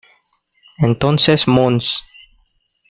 Entonces mons.